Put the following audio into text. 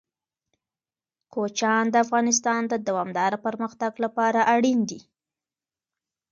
کوچیان د افغانستان د دوامداره پرمختګ لپاره اړین دي.